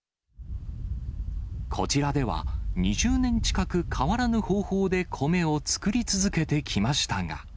こちらでは、２０年近く変わらぬ方法で米を作り続けてきましたが。